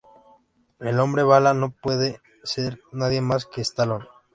El Hombre Bala no puede ser nadie más que Stallone!